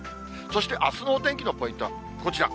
そして、あすのお天気のポイントはこちら。